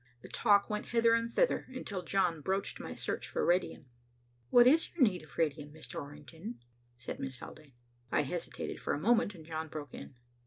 The talk went hither and thither until John broached my search for radium. "What is your need of radium, Mr. Orrington?" said Miss Haldane. I hesitated for a moment and John broke in.